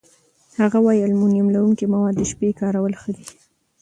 هغه وايي المونیم لرونکي مواد د شپې کارول ښه دي.